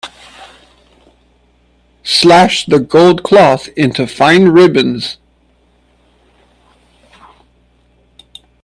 Slash the gold cloth into fine ribbons.